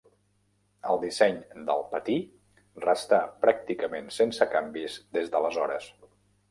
El disseny del patí restà pràcticament sense canvis des d'aleshores.